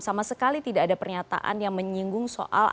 sama sekali tidak ada pernyataan yang menyinggung soal ada pintu yang tertutup